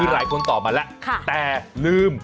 หลายคนตอบมาแล้วแต่ลืม